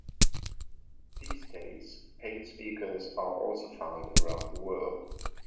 These days Paite speakers are also found around the world.